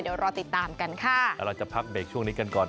เดี๋ยวรอติดตามกันค่ะแล้วเราจะพักเบรกช่วงนี้กันก่อน